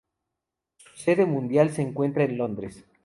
Su sede mundial se encuentra en Londres.